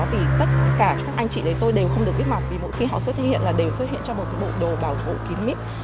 vì tất cả các anh chị đấy tôi đều không được biết mỏng vì mỗi khi họ xuất hiện là đều xuất hiện trong một cái bộ đồ bảo hộ kín mít